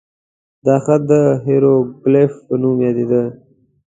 دا خط د هیروګلیف په نوم یادېده.